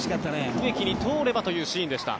植木に通ればというシーンでした。